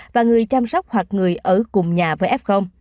và người chăm sóc hoặc người ở cùng nhà với f